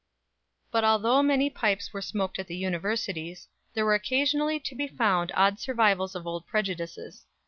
_ But although many pipes were smoked at the Universities, there were occasionally to be found odd survivals of old prejudices.